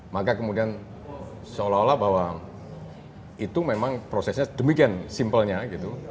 maka kemudian seolah olah bahwa itu memang prosesnya demikian simpelnya gitu